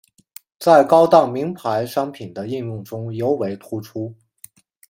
在高档名牌商品的应用中尤为突出。